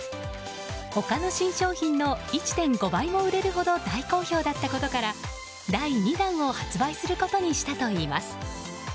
他の新商品の１．５倍も売れるほど大好評だったことから第２弾を発売することにしたといいます。